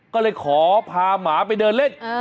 ก็เลยขอพาหมาไปเดินเล่น